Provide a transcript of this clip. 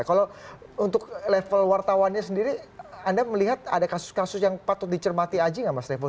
kalau untuk level wartawannya sendiri anda melihat ada kasus kasus yang patut dicermati aji nggak mas revo